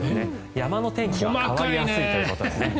山の天気は変わりやすいということでね。